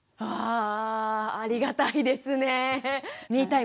ああありがたいですねえ。